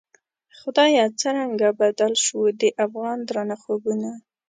خدایه څرنګه بدل شوو، د افغان درانه خوبونه